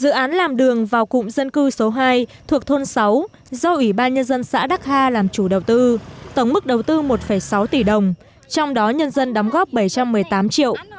dự án làm đường vào cụm dân cư số hai thuộc thôn sáu do ủy ban nhân dân xã đắc hà làm chủ đầu tư tổng mức đầu tư một sáu tỷ đồng trong đó nhân dân đóng góp bảy trăm một mươi tám triệu